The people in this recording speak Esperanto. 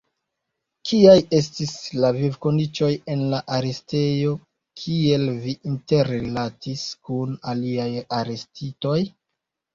Kiaj estis la vivkondiĉoj en la arestejo, kiel vi interrilatis kun aliaj arestitoj?